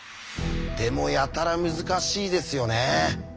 でもやたら難しいですよね。